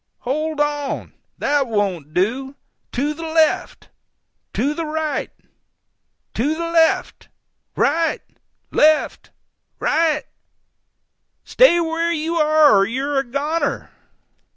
Hold on! THAT won't do!—to the left!—to the right!—to the LEFT—right! left—ri—Stay where you ARE, or you're a goner!"